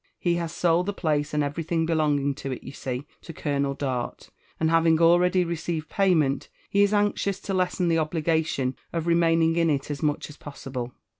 He has sold the place and everything bfelonging to it, you see, to Colonel Dart; and having already received payment, he is anxious to lessen the obligation of remaining in it as much as possible.